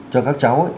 cho các cháu